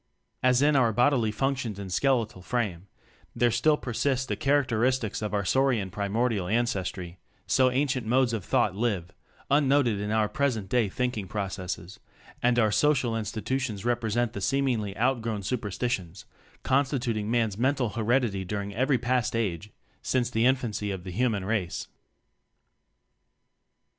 As in our bodily functions and skele tal frame there still persist the char acteristics of our Saurian primordial ancestry, so ancient modes of thought live unnoted in our present day think ing processes; and our social institu tions represent the seemingly out grown superstitions constituting man's mental heredity during every past age since the infancy of the human race.